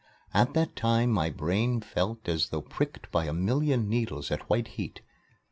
At that time my brain felt as though pricked by a million needles at white heat.